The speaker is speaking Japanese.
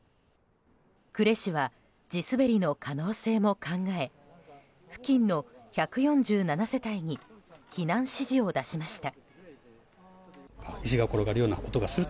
呉市は地滑りの可能性も考え付近の１４７世帯に避難指示を出しました。